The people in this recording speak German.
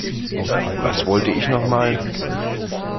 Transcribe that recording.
Was wollte ich noch mal?